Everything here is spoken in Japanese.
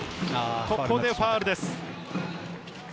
ここでファウルです。